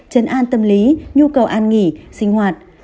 chấn an tâm lý nhu cầu an nghỉ sinh hoạt